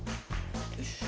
よし。